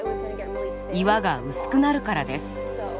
岩が薄くなるからです。